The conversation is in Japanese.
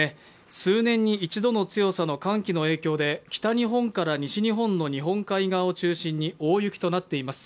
数年に一度の強さの寒気の影響で北日本から西日本の日本海側を中心に大雪となっています。